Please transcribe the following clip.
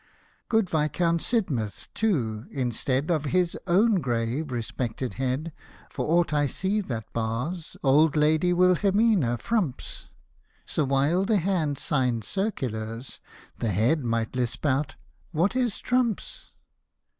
Good Viscount S — dm — H, too, instead Of his own grave, respected head, Might wear (for aught I see that bars) Old Lady Wilhelmina Frump's — So while the hand signed Circulars^ The head might lisp out, " What is trumps